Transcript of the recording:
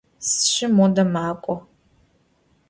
Sşşı mode mak'o.